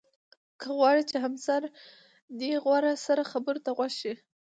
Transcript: که غواړې چې همسر دې غور سره خبرو ته غوږ شي.